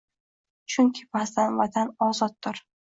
Chunki Vatan ozoddir